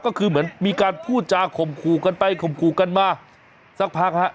ก็คือเหมือนมีการพูดจาข่มขู่กันไปข่มขู่กันมาสักพักฮะ